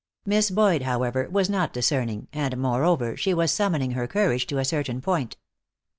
Miss Boyd, however, was not discerning, and moreover, she was summoning her courage to a certain point.